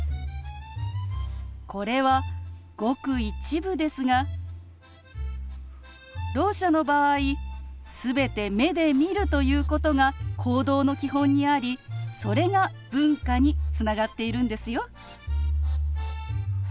これはごく一部ですがろう者の場合全て目で見るということが行動の基本にありそれが文化につながっているんですよ。